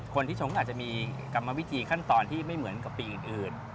คนปีชงก็มีกลรมวิจีย์ขั้นตอนที่ไม่เหมือนกับปีอื่น